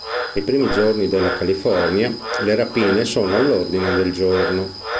Nei primi giorni della California, le rapine sono all'ordine del giorno.